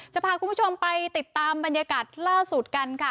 จะพาคุณผู้ชมไปติดตามบรรยากาศล่าสุดกันค่ะ